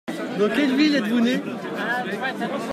Dans quelle ville êtes-vous né ?